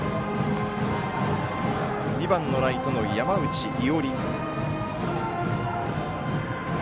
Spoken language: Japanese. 打者は２番ライトの山内伊織。